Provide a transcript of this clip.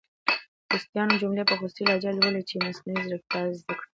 خوستیانو جملي په خوستې لهجه لولۍ چې مصنوعي ځیرکتیا یې زده کړې!